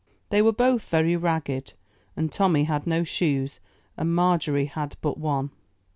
They were both very ragged, and Tommy had no shoes, and Margery had but one.